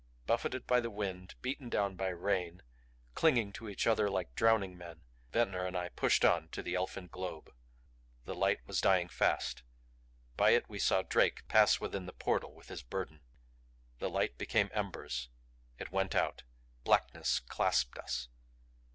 Buffeted by wind, beaten down by rain, clinging to each other like drowning men, Ventnor and I pushed on to the elfin globe. The light was dying fast. By it we saw Drake pass within the portal with his burden. The light became embers; it went out; blackness clasped us.